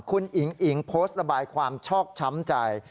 คุณอิ๋งอิ๋งโพสต์ระบายความชอบช้ำใจ